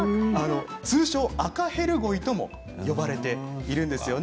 通称・赤ヘル鯉とも呼ばれているんですよね。